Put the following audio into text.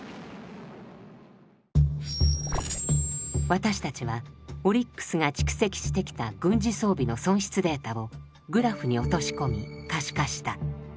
私たちはオリックスが蓄積してきた軍事装備の損失データをグラフに落とし込み可視化した。